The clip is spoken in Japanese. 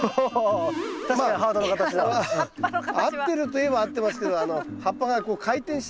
合ってるといえば合ってますけど葉っぱが回転したりしないですよね。